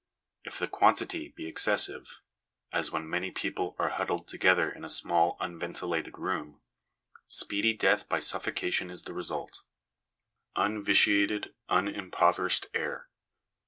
If the quantity be excessive as when many people are huddled together in a small unventilated room speedy death by suffocation is the result. Un vitiated, Unimpoverished Air.